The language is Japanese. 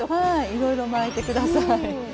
いろいろ巻いてください。